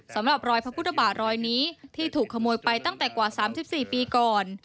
สำหรับรอยพระพุทธบาทรอยนี้ที่ถูกขโมยไปตั้งแต่กว่า๓๔ปีก่อน